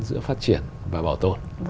giữa phát triển và bảo tồn